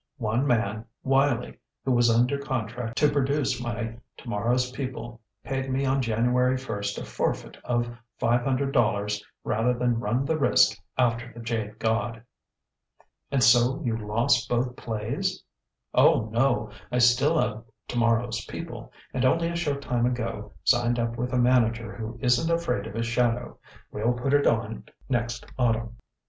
One man Wylie who was under contract to produce my 'Tomorrow's People,' paid me on January first a forfeit of five hundred dollars rather than run the risk after 'The Jade God.'" "And so you lost both plays?" "Oh, no; I still have 'Tomorrow's People,' and only a short time ago signed up with a manager who isn't afraid of his shadow. We'll put it on next Autumn."